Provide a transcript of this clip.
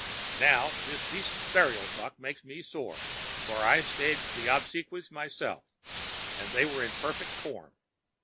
Now, this decent burial talk makes me sore, for I staged the obsequies myself, and they were in perfect form.